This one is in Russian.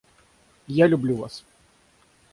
Я люблю Вас.